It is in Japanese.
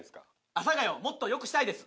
阿佐ヶ谷をもっとよくしたいです。